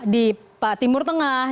di timur tengah